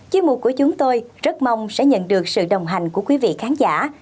chuyên mục của chúng tôi rất mong sẽ nhận được sự đồng hành của quý vị khán giả